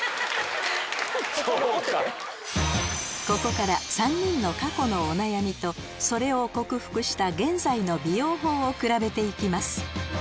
ここから３人の過去のお悩みとそれを克服した現在の美容法をくらべて行きます